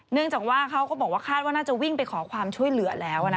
เนื่องจากว่าเขาก็บอกว่าคาดว่าน่าจะวิ่งไปขอความช่วยเหลือแล้วนะ